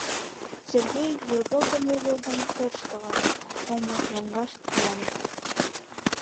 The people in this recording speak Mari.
Сергей, юргылдым-юргылдым тӧрштылын, омыж лоҥгаш йомо.